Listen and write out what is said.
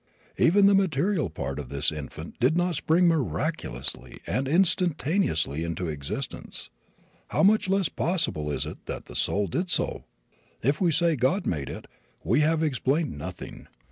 Even the material part of this infant did not spring miraculously and instantaneously into existence. How much less possible is it that the soul did so! If we say "God made it" we have explained nothing.